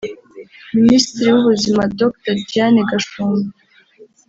Minisitiri w’Ubuzima Dr Diane Gashumba